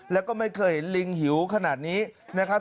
แล้วก็ไม่เคยเห็นลิงหิวขนาดนี้นะครับ